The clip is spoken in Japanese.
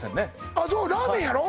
あそうラーメンやろ？